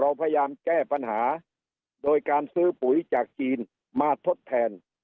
เราพยายามแก้ปัญหาโดยการซื้อปุ๋ยจากจีนมาทดแทน